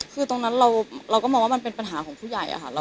คือตรงนั้นเราก็มองว่ามันเป็นปัญหาของผู้ใหญ่ค่ะ